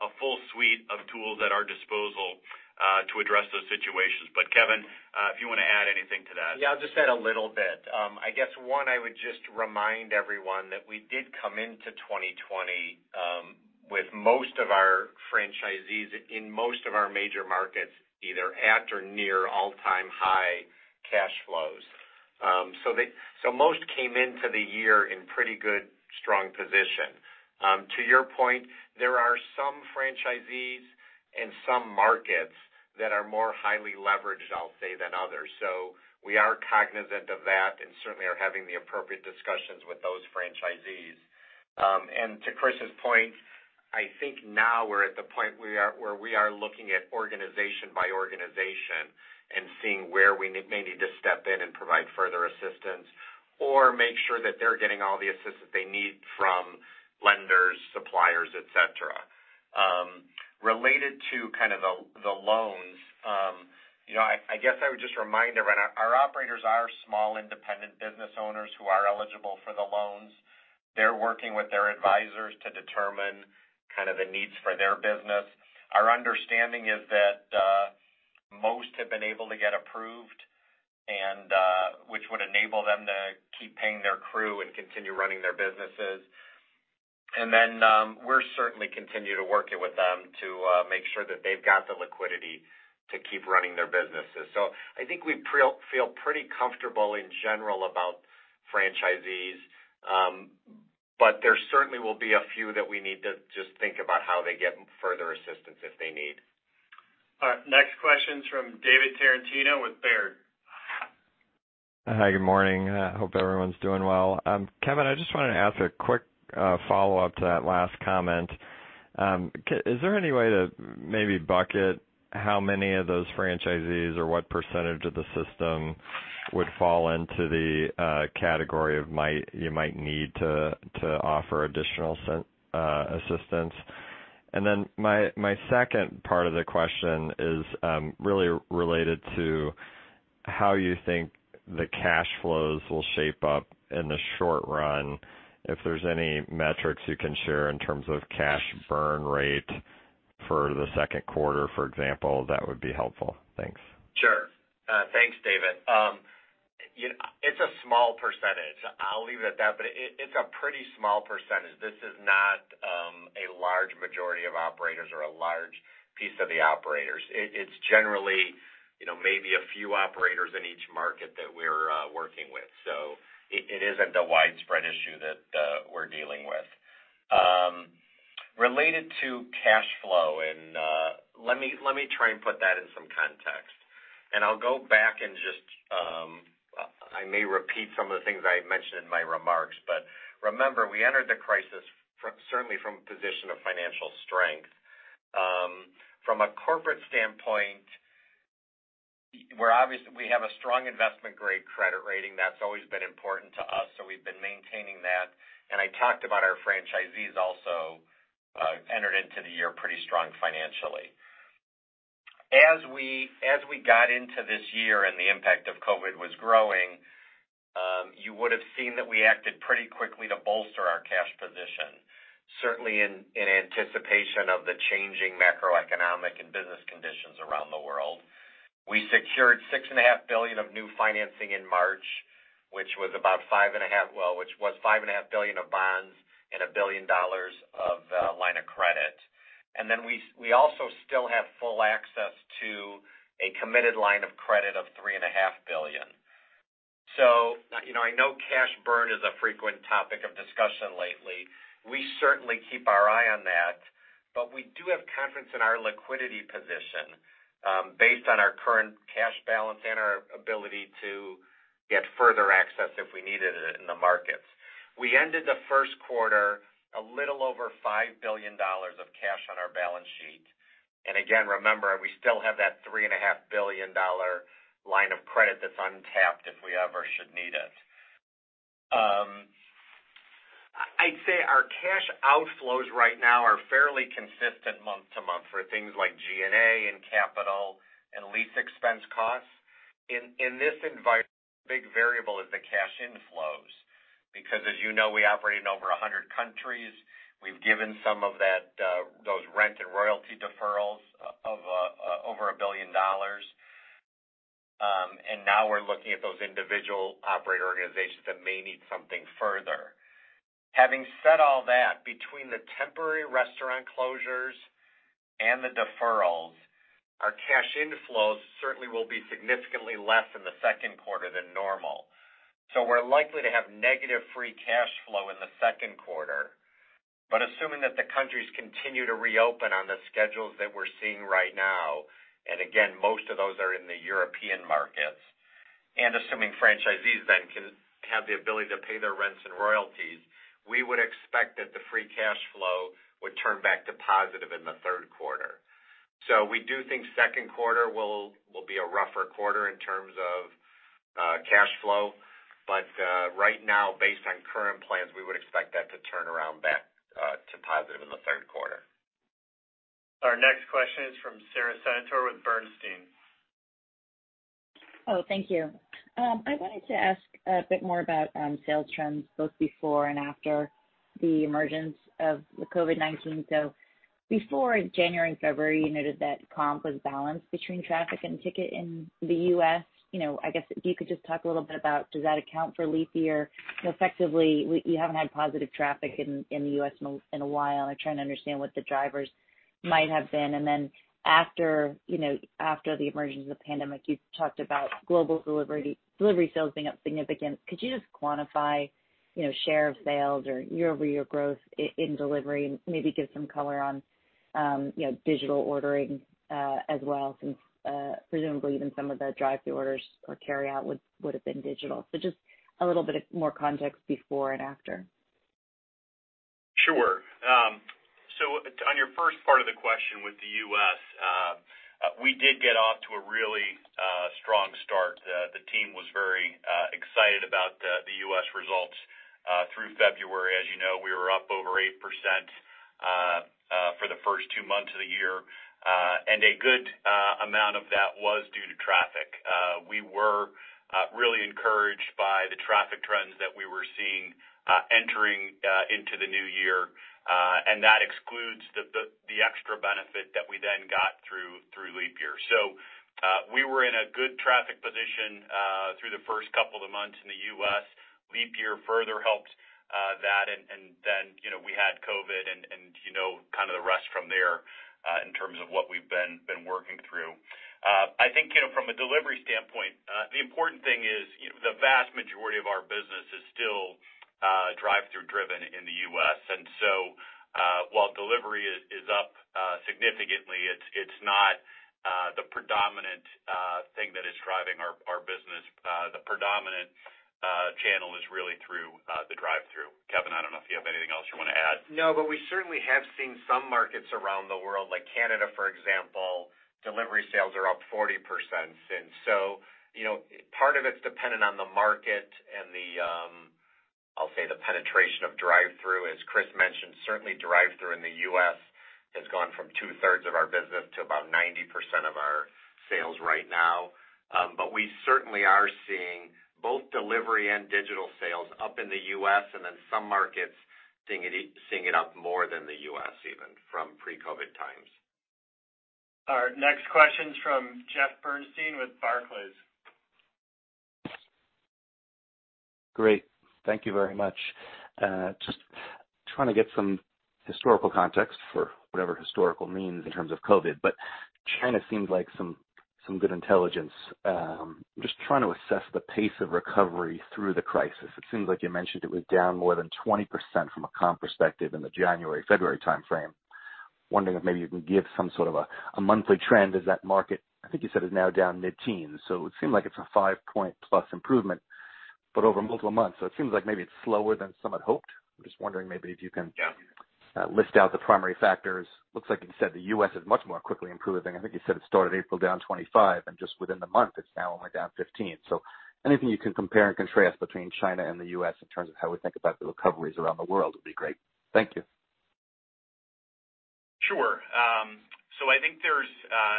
a full suite of tools at our disposal to address those situations. Kevin, if you want to add anything to that. Yeah, I'll just add a little bit. I guess one, I would just remind everyone that we did come into 2020 with most of our franchisees in most of our major markets, either at or near all-time high cash flows. Most came into the year in pretty good, strong position. To your point, there are some franchisees and some markets that are more highly leveraged, I'll say, than others. We are cognizant of that and certainly are having the appropriate discussions with those franchisees. To Chris's point, I think now we're at the point where we are looking at organization by organization and seeing where we may need to step in and provide further assistance or make sure that they're getting all the assistance they need from lenders, suppliers, et cetera. Related to the loans, I guess I would just remind everyone, our operators are small, independent business owners who are eligible for the loans. They're working with their advisors to determine the needs for their business. Our understanding is that most have been able to get approved, which would enable them to keep paying their crew and continue running their businesses. We're certainly continue to working with them to make sure that they've got the liquidity to keep running their businesses. I think we feel pretty comfortable in general about franchisees, but there certainly will be a few that we need to just think about how they get further assistance if they need. All right. Next question is from David Tarantino with Baird. Hi, good morning. Hope everyone's doing well. Kevin, I just wanted to ask a quick follow-up to that last comment. Is there any way to maybe bucket how many of those franchisees or what percentage of the system would fall into the category of you might need to offer additional assistance? My second part of the question is really related to how you think the cash flows will shape up in the short run. If there's any metrics you can share in terms of cash burn rate for the second quarter, for example, that would be helpful. Thanks. Sure. Thanks, David. It's a small percentage. I'll leave it at that. It's a pretty small percentage. This is not a large majority of operators or a large piece of the operators. It's generally maybe a few operators in each market that we're working with. It isn't a widespread issue that we're dealing with. Related to cash flow, let me try and put that in some context. I'll go back and just, I may repeat some of the things I mentioned in my remarks, but remember, we entered the crisis certainly from a position of financial strength. From a corporate standpoint, we have a strong investment-grade credit rating. That's always been important to us. We've been maintaining that. I talked about our franchisees also entered into the year pretty strong financially. As we got into this year and the impact of COVID-19 was growing, you would've seen that we acted pretty quickly to bolster our cash position, certainly in anticipation of the changing macroeconomic and business conditions around the world. We secured $6.5 billion of new financing in March, which was $5.5 billion of bonds and $1 billion of line of credit. Then we also still have full access to a committed line of credit of $3.5 billion. I know cash burn is a frequent topic of discussion lately. We certainly keep our eye on that, but we do have confidence in our liquidity position based on our current cash balance and our ability to get further access if we needed it in the markets. We ended the first quarter a little over $5 billion of cash on our balance sheet. Again, remember, we still have that $3.5 billion line of credit that's untapped if we ever should need it. I'd say our cash outflows right now are fairly consistent month to month for things like G&A and capital and lease expense costs. In this environment, the big variable is the cash inflows, because as you know, we operate in over 100 countries. We've given some of those rent and royalty deferrals of over $1 billion. Now we're looking at those individual operator organizations that may need something further. Having said all that, between the temporary restaurant closures and the deferrals, our cash inflows certainly will be significantly less in the second quarter than normal. We're likely to have negative free cash flow in the second quarter. Assuming that the countries continue to reopen on the schedules that we're seeing right now, and again, most of those are in the European markets, and assuming franchisees then can have the ability to pay their rents and royalties, we would expect that the free cash flow would turn back to positive in the third quarter. We do think second quarter will be a rougher quarter in terms of cash flow. Right now, based on current plans, we would expect that to turn around back to positive in the third quarter. Our next question is from Sara Senatore with Bernstein. Thank you. I wanted to ask a bit more about sales trends both before and after the emergence of COVID-19. Before, in January and February, you noted that comp was balanced between traffic and ticket in the U.S. I guess if you could just talk a little bit about does that account for a leap year? Effectively, you haven't had positive traffic in the U.S. in a while. I'm trying to understand what the drivers might have been. After the emergence of the pandemic, you talked about global delivery sales being up significant. Could you just quantify share of sales or year-over-year growth in delivery and maybe give some color on digital ordering as well since presumably even some of the drive-thru orders or carry out would have been digital. Just a little bit of more context before and after. Sure. On your first part of the question with the U.S., we did get off to a really strong start. The team was very excited about the U.S. results through February. As you know, we were up over 8% for. First two months of the year, a good amount of that was due to traffic. We were really encouraged by the traffic trends that we were seeing entering into the new year, that excludes the extra benefit that we got through leap year. We were in a good traffic position through the first couple of months in the U.S. Leap year further helped that, we had COVID and kind of the rest from there in terms of what we've been working through. I think from a delivery standpoint, the important thing is the vast majority of our business is still drive-through driven in the U.S., while delivery is up significantly, it's not the predominant thing that is driving our business. The predominant channel is really through the drive-through. Kevin, I don't know if you have anything else you want to add. No, but we certainly have seen some markets around the world, like Canada, for example, delivery sales are up 40% since. Part of it's dependent on the market and the, I'll say, the penetration of drive-through. As Chris mentioned, certainly drive-through in the U.S. has gone from two-thirds of our business to about 90% of our sales right now. We certainly are seeing both delivery and digital sales up in the U.S., and then some markets seeing it up more than the U.S. even from pre-COVID-19 times. Our next question's from Jeff Bernstein with Barclays. Great. Thank you very much. Just trying to get some historical context for whatever historical means in terms of COVID. China seems like some good intelligence. I'm just trying to assess the pace of recovery through the crisis. It seems like you mentioned it was down more than 20% from a comp perspective in the January, February timeframe. I'm wondering if maybe you can give some sort of a monthly trend. Is that market, I think you said, is now down mid-teens, it would seem like it's a five-point plus improvement, but over multiple months. It seems like maybe it's slower than some had hoped. I'm just wondering maybe if you can. Yeah list out the primary factors. Looks like you said the U.S. is much more quickly improving. I think you said it started April down 25%, and just within the month, it's now only down 15%. Anything you can compare and contrast between China and the U.S. in terms of how we think about the recoveries around the world would be great. Thank you. Sure. I think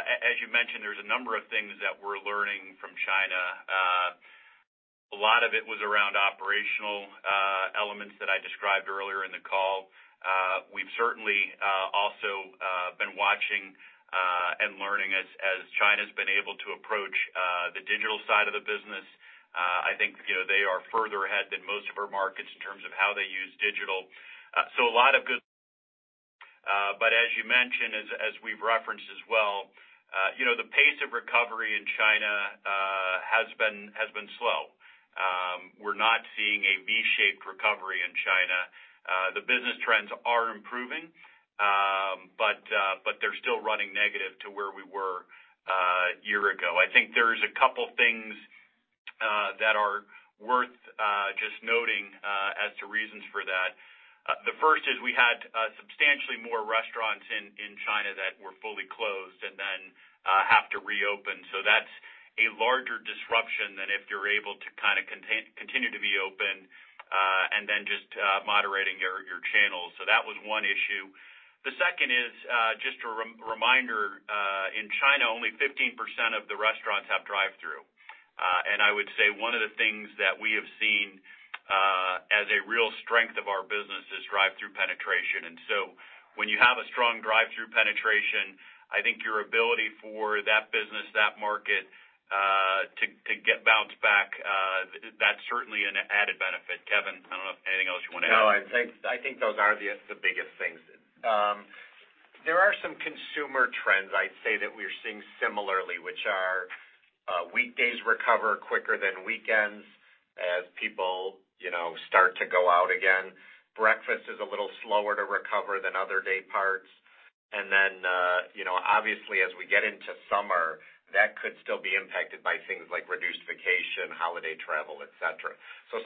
as you mentioned, there's a number of things that we're learning from China. A lot of it was around operational elements that I described earlier in the call. We've certainly also been watching and learning as China's been able to approach the digital side of the business. I think they are further ahead than most of our markets in terms of how they use digital. As you mentioned, as we've referenced as well, the pace of recovery in China has been slow. We're not seeing a V-shaped recovery in China. The business trends are improving, but they're still running negative to where we were a year ago. I think there's a couple things that are worth just noting as to reasons for that. The first is we had substantially more restaurants in China that were fully closed and then have to reopen. That's a larger disruption than if you're able to continue to be open, and then just moderating your channels. That was one issue. The second is, just a reminder, in China, only 15% of the restaurants have drive-through. I would say one of the things that we have seen as a real strength of our business is drive-through penetration. When you have a strong drive-through penetration, I think your ability for that business, that market to bounce back, that's certainly an added benefit. Kevin, I don't know if anything else you want to add. No, I think those are the biggest things. There are some consumer trends I'd say that we're seeing similarly, which are weekdays recover quicker than weekends as people start to go out again. Breakfast is a little slower to recover than other day parts. Obviously as we get into summer, that could still be impacted by things like reduced vacation, holiday travel, et cetera.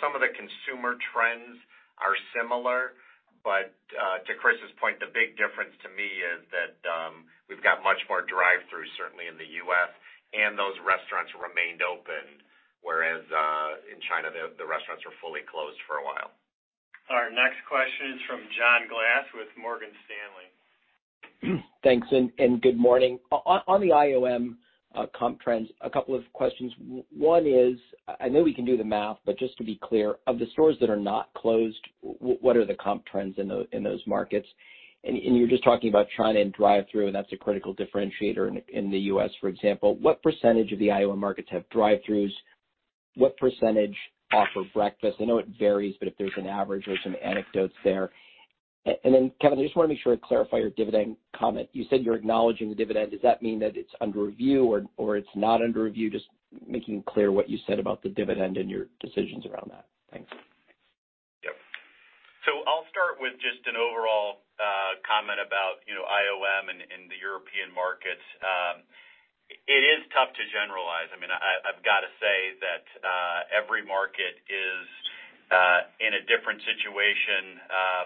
Some of the consumer trends are similar, but to Chris's point, the big difference to me is that we've got much more drive-throughs certainly in the U.S., and those restaurants remained open, whereas in China, the restaurants were fully closed for a while. Our next question is from John Glass with Morgan Stanley. Thanks, and good morning. On the IOM comp trends, a couple of questions. One is, I know we can do the math, but just to be clear, of the stores that are not closed, what are the comp trends in those markets? You were just talking about China and drive-through, and that's a critical differentiator in the U.S., for example. What percentage of the IOM markets have drive-throughs? What percentage offer breakfast? I know it varies, but if there's an average or some anecdotes there. Kevin, I just want to make sure I clarify your dividend comment. You said you're acknowledging the dividend. Does that mean that it's under review or it's not under review? Just making clear what you said about the dividend and your decisions around that. Thanks. Yep. I'll start with just an overall comment about IOM and the European markets. It is tough to generalize. I've got to say that every market is in a different situation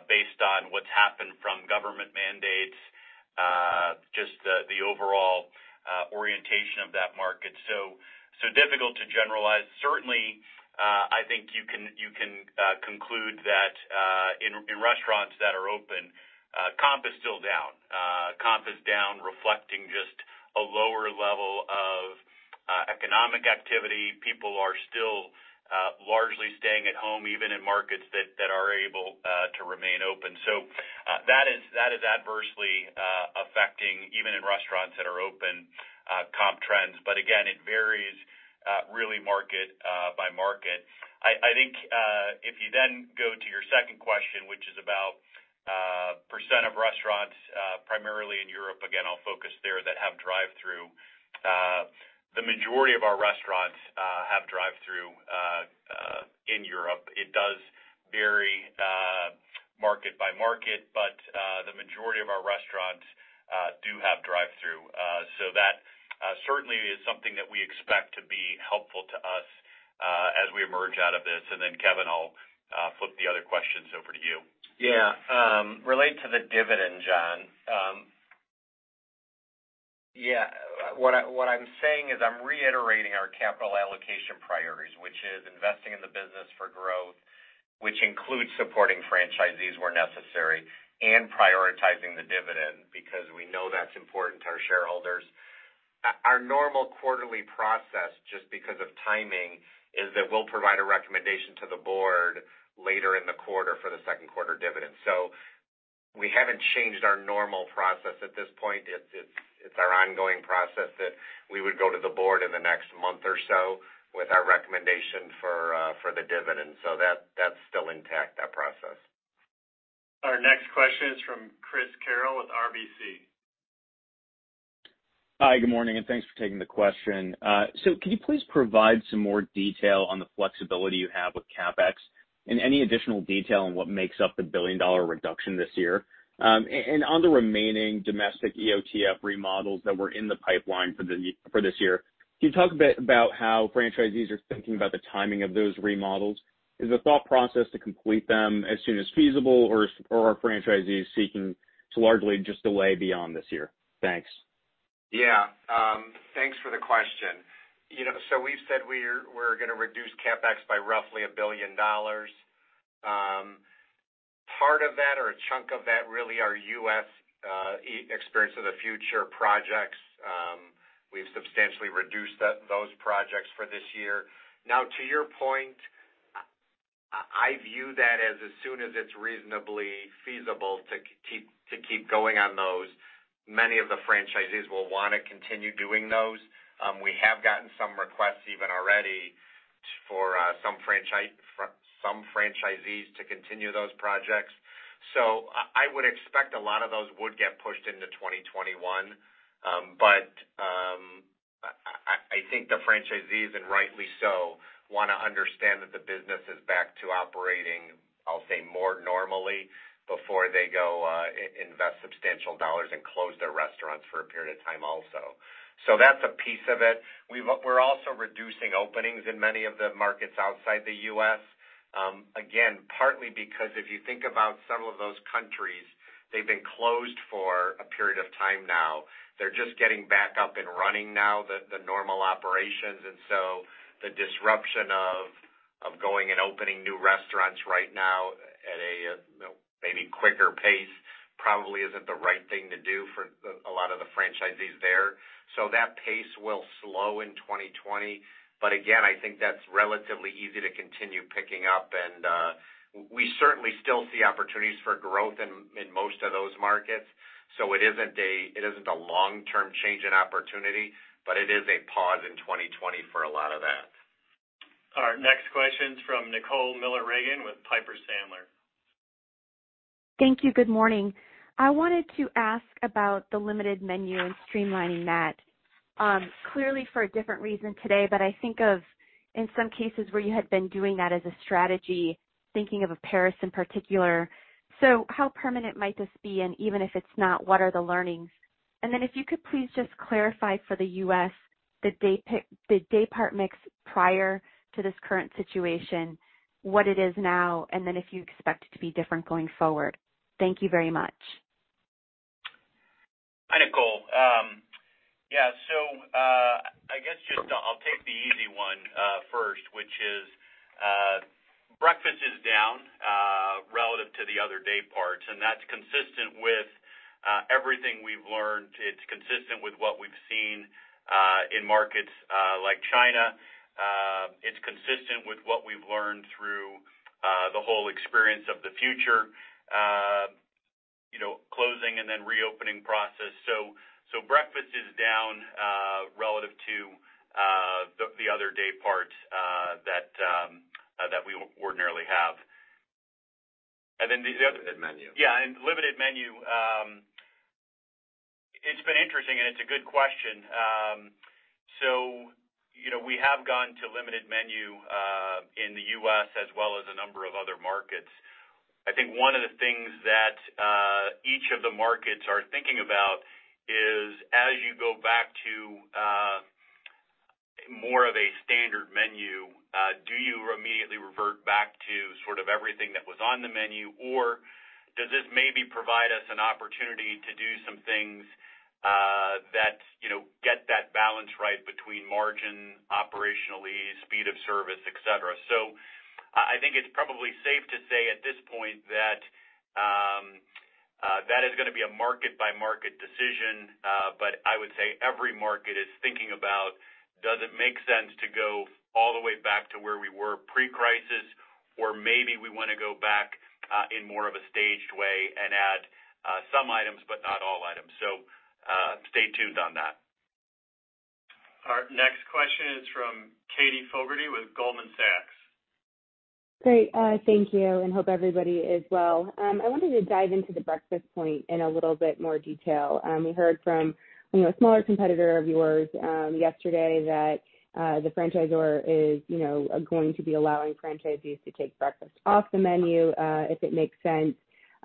based on what's happened from government mandates. The overall orientation of that market. Difficult to generalize. Certainly, I think you can conclude that in restaurants that are open, comp is still down. Comp is down reflecting just a lower level of economic activity. People are still largely staying at home, even in markets that are able to remain open. That is adversely affecting, even in restaurants that are open, comp trends. Again, it varies really market by market. I think if you then go to your second question, which is about percent of restaurants, primarily in Europe, again, I'll focus there, that have drive-through. The majority of our restaurants have drive-through in Europe. It does vary market by market. The majority of our restaurants do have drive-through. That certainly is something that we expect to be helpful to us as we emerge out of this. Kevin, I'll flip the other questions over to you. Relate to the dividend, John. What I'm saying is I'm reiterating our capital allocation priorities, which is investing in the business for growth, which includes supporting franchisees where necessary and prioritizing the dividend, because we know that's important to our shareholders. Our normal quarterly process, just because of timing, is that we'll provide a recommendation to the board later in the quarter for the second quarter dividend. We haven't changed our normal process at this point. It's our ongoing process that we would go to the board in the next month or so with our recommendation for the dividend. That's still intact, that process. Our next question is from Chris Carrill with RBC. Hi, good morning, and thanks for taking the question. Can you please provide some more detail on the flexibility you have with CapEx and any additional detail on what makes up the billion-dollar reduction this year? On the remaining domestic EOTF remodels that were in the pipeline for this year, can you talk a bit about how franchisees are thinking about the timing of those remodels? Is the thought process to complete them as soon as feasible, or are franchisees seeking to largely just delay beyond this year? Thanks. Yeah. Thanks for the question. We've said we're going to reduce CapEx by roughly $1 billion. Part of that, or a chunk of that, really, are U.S. Experience of the Future projects. We've substantially reduced those projects for this year. Now, to your point, I view that as soon as it's reasonably feasible to keep going on those, many of the franchisees will want to continue doing those. We have gotten some requests even already for some franchisees to continue those projects. I would expect a lot of those would get pushed into 2021. I think the franchisees, and rightly so, want to understand that the business is back to operating, I'll say, more normally before they go invest substantial dollars and close their restaurants for a period of time also. That's a piece of it. We're also reducing openings in many of the markets outside the U.S. Again, partly because if you think about some of those countries, they've been closed for a period of time now. They're just getting back up and running now, the normal operations, and so the disruption of going and opening new restaurants right now at a maybe quicker pace probably isn't the right thing to do for a lot of the franchisees there. That pace will slow in 2020. Again, I think that's relatively easy to continue picking up. We certainly still see opportunities for growth in most of those markets. It isn't a long-term change in opportunity, but it is a pause in 2020 for a lot of that. Our next question's from Nicole Miller Regan with Piper Sandler. Thank you. Good morning. I wanted to ask about the limited menu and streamlining that. Clearly for a different reason today, I think of in some cases where you had been doing that as a strategy, thinking of Paris in particular. How permanent might this be? Even if it's not, what are the learnings? If you could please just clarify for the U.S., the day part mix prior to this current situation, what it is now, and then if you expect it to be different going forward. Thank you very much. Hi, Nicole. Yeah. I guess just I'll take the easy one first, which is breakfast is down relative to the other day parts, and that's consistent with everything we've learned. It's consistent with what we've seen in markets like China. It's consistent with what we've learned through the whole Experience of the Future closing and then reopening process. Breakfast is down relative to the other day parts that we ordinarily have. Then the other- Limited menu. Yeah, limited menu. It's been interesting, and it's a good question. We have gone to limited menu in the U.S. as well as a number of other markets. I think one of the things that each of the markets are thinking about is as you go back to more of a standard menu, sort of everything that was on the menu, or does this maybe provide us an opportunity to do some things that get that balance right between margin operationally, speed of service, et cetera? I think it's probably safe to say at this point that is going to be a market-by-market decision. I would say every market is thinking about, does it make sense to go all the way back to where we were pre-crisis, or maybe we want to go back in more of a staged way and add some items, but not all items. Stay tuned on that. Our next question is from Katie Fogertey with Goldman Sachs. Great. Thank you. Hope everybody is well. I wanted to dive into the breakfast point in a little bit more detail. We heard from a smaller competitor of yours yesterday that the franchisor is going to be allowing franchisees to take breakfast off the menu if it makes sense.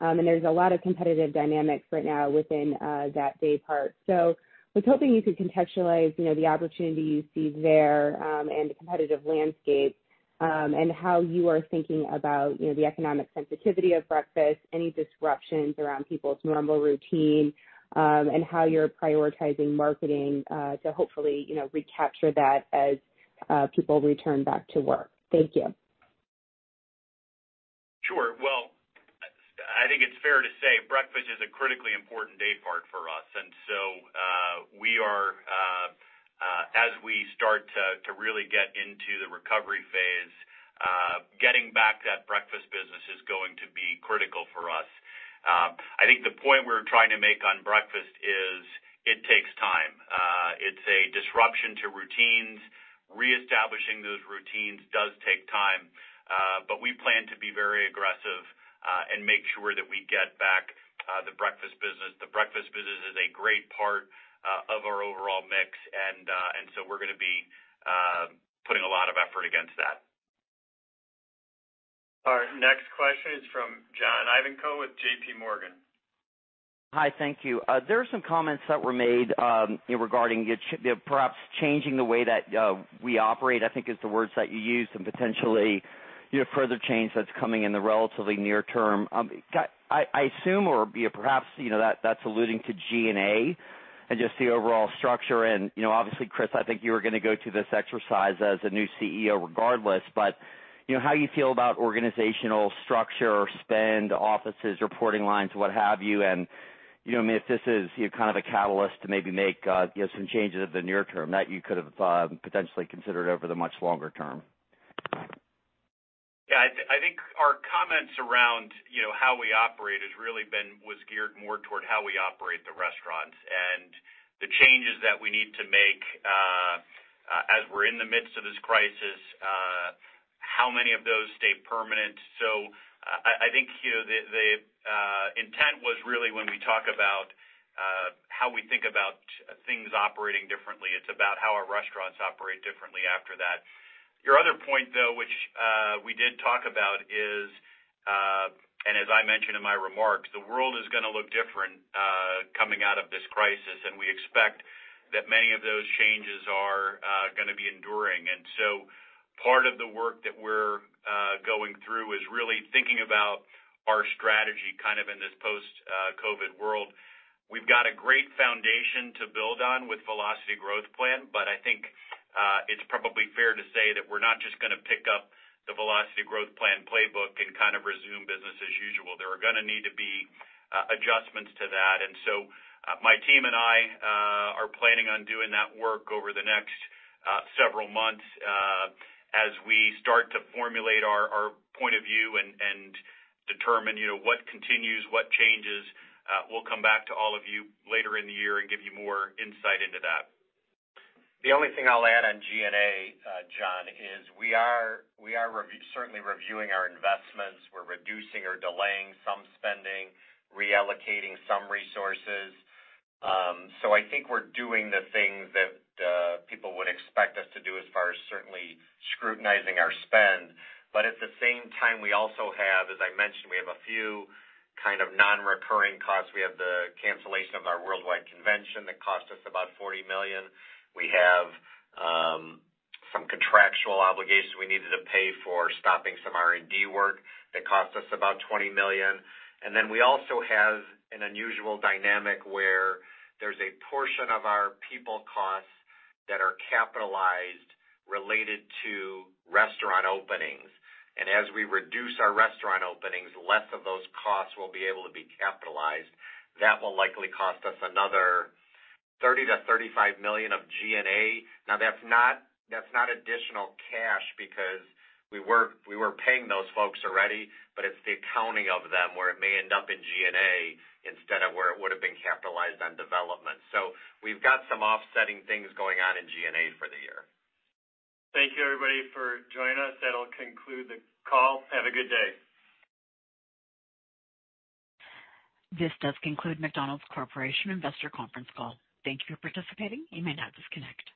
There's a lot of competitive dynamics right now within that day part. I was hoping you could contextualize the opportunity you see there and the competitive landscape, and how you are thinking about the economic sensitivity of breakfast, any disruptions around people's normal routine, and how you're prioritizing marketing to hopefully recapture that as people return back to work. Thank you. Sure. Well, I think it's fair to say breakfast is a critically important day part for us. As we start to really get into the recovery phase, getting back that breakfast business is going to be critical for us. I think the point we're trying to make on breakfast is it takes time. It's a disruption to routines. Reestablishing those routines does take time, but we plan to be very aggressive and make sure that we get back the breakfast business. The breakfast business is a great part of our overall mix, and so we're going to be putting a lot of effort against that. Our next question is from John Ivankoe with JPMorgan. Hi, thank you. There are some comments that were made regarding perhaps changing the way that we operate, I think is the words that you used, and potentially further change that's coming in the relatively near-term. I assume, or perhaps that's alluding to G&A and just the overall structure. Obviously, Chris, I think you were going to go to this exercise as a new CEO regardless, but how you feel about organizational structure or spend, offices, reporting lines, what have you, and if this is kind of a catalyst to maybe make some changes at the near-term that you could have potentially considered over the much longer-term. I think our comments around how we operate was geared more toward how we operate the restaurants and the changes that we need to make as we're in the midst of this crisis, how many of those stay permanent. I think the intent was really when we talk about how we think about things operating differently, it's about how our restaurants operate differently after that. Your other point, though, which we did talk about is, and as I mentioned in my remarks, the world is going to look different coming out of this crisis, and we expect that many of those changes are going to be enduring. Part of the work that we're going through is really thinking about our strategy kind of in this post-COVID world. We've got a great foundation to build on with Velocity Growth Plan, but I think it's probably fair to say that we're not just going to pick up the Velocity Growth Plan playbook and kind of resume business as usual. There are going to need to be adjustments to that. My team and I are planning on doing that work over the next several months as we start to formulate our point of view and determine what continues, what changes. We'll come back to all of you later in the year and give you more insight into that. The only thing I'll add on G&A, John, is we are certainly reviewing our investments. We're reducing or delaying some spending, reallocating some resources. I think we're doing the things that people would expect us to do as far as certainly scrutinizing our spend. At the same time, we also have, as I mentioned, we have a few kind of non-recurring costs. We have the cancellation of our worldwide convention that cost us about $40 million. We have some contractual obligations we needed to pay for stopping some R&D work that cost us about $20 million. We also have an unusual dynamic where there's a portion of our people costs that are capitalized related to restaurant openings. As we reduce our restaurant openings, less of those costs will be able to be capitalized. That will likely cost us another $30 million-$35 million of G&A. That's not additional cash because we were paying those folks already, but it's the accounting of them where it may end up in G&A instead of where it would have been capitalized on development. We've got some offsetting things going on in G&A for the year. Thank you everybody for joining us. That'll conclude the call. Have a good day. This does conclude McDonald's Corporation Investor Conference Call. Thank you for participating. You may now disconnect.